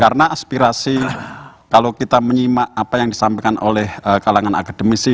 karena aspirasi kalau kita menyimak apa yang disampaikan oleh kalangan akademisi